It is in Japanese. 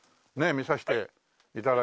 見させて頂いて。